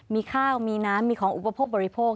มีข้าวมีน้ำมีของอุปโภคบริโภค